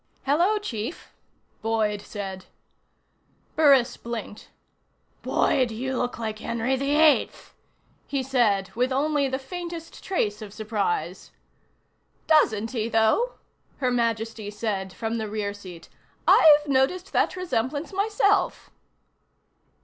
"Hello, Chief," Boyd said. Burris blinked. "Boyd, you look like Henry VIII," he said with only the faintest trace of surprise. "Doesn't he, though?" Her Majesty said from the rear seat. "I've noticed that resemblance myself."